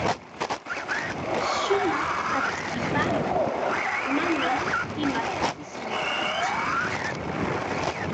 Shumaq achkipamay, manam imatapis rikaatsu.